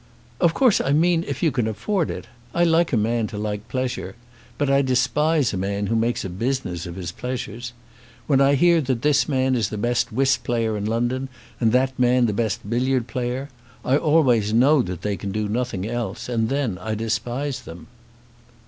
"Of course I mean if you can afford it. I like a man to like pleasure. But I despise a man who makes a business of his pleasures. When I hear that this man is the best whist player in London, and that man the best billiard player, I always know that they can do nothing else, and then I despise them."